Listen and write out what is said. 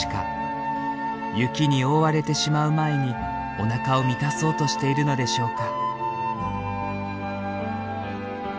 雪に覆われてしまう前におなかを満たそうとしているのでしょうか。